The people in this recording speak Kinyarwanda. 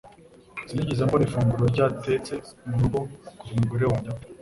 Sinigeze mbona ifunguro ryatetse mu rugo kuva umugore wanjye apfa